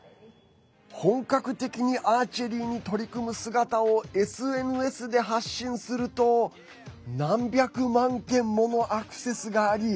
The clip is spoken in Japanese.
本格的にアーチェリーに取り組む姿をＳＮＳで発信すると何百万件ものアクセスがあり